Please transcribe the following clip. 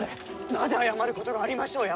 なぜ謝ることがありましょうや！